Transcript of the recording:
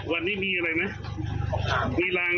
วันนี้มีอะไรไหมมีรางอะไรไหมครับวันนี้